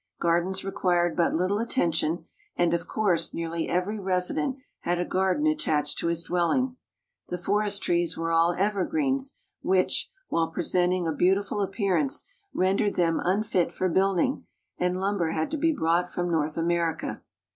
Gardens required but little attention, and of course, nearly every resident had a garden attached to his dwelling. The forest trees were all evergreens, which, while presenting a beautiful appearance, rendered them unfit for building, and lum ber had to be brought from North America.